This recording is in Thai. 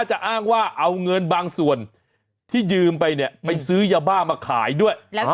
อ้างว่าเอาเงินบางส่วนที่ยืมไปเนี่ยไปซื้อยาบ้ามาขายด้วย